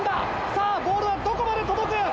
さあボールはどこまで届く？